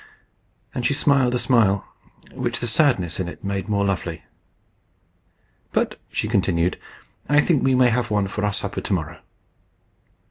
And she smiled a smile which the sadness in it made more lovely. "But," she continued, "I think we may have one for supper to morrow."